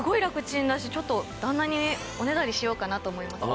ちょっと旦那におねだりしようかなと思います。